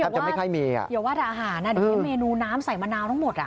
ถ้าจะไม่ค่อยมีอ่ะเดี๋ยวว่าแต่อาหารนี่เมนูน้ำใส่มะนาวทั้งหมดอ่ะ